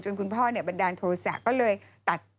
จนคุณพ่อเนี่ยบันดาลโทรศัพท์ก็เลยตัด